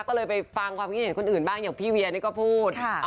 ก็เลยไปฟังความคิดเห็นคนอื่นบ้างอย่างพี่เวียนี่ก็พูด